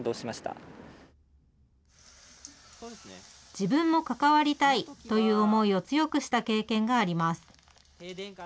自分も関わりたいという思いを強くした経験があります。